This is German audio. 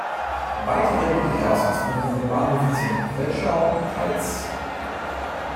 Weitere mögliche Ausgangspunkte mit Bahnhöfen sind Vetschau und Peitz.